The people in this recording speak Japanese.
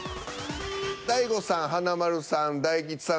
大悟さん華丸さん大吉さん